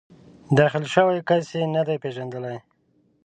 داخل شوی کس یې نه دی پېژندلی.